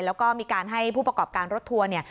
แล้วก็มีการให้ผู้ประกอบการรถทัวร์เนี่ย